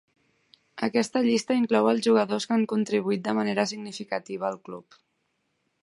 Aquesta llista inclou els jugadors que han contribuït de manera significativa al club.